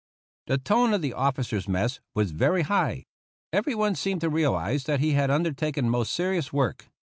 The tone of the officers' mess was very high. Everyone seemed to realize that he had under taken most serious work.